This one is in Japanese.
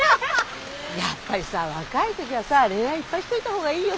やっぱりさ若い時はさあ恋愛いっぱいしといた方がいいよ。